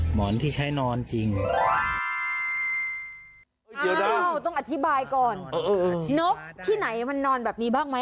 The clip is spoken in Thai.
หมอนที่ใช้นอนจริงต้องอธิบายก่อนนกที่ไหนมันนอนแบบนี้บ้างไหม